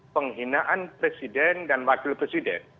penghinaan presiden dan wakil presiden